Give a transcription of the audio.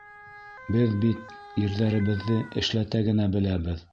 Беҙ бит ирҙәребеҙҙе эшләтә генә беләбеҙ!